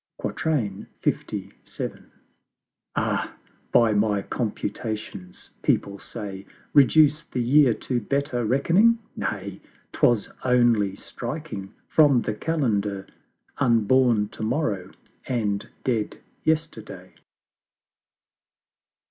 LVII. Ah, by my Computations, People say, Reduce the Year to better reckoning? Nay, 'Twas only striking from the Calendar Unborn To morrow and dead Yesterday.